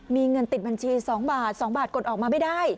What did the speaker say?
มีเงินติดบัญชี๒บาท๒บาทกดออกมาไม่ได้